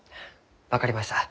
分かりました。